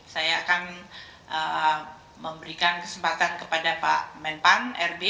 saya akan memberikan kesempatan kepada pak menpan rb